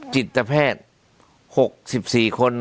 จิตแพทย์๖๔คน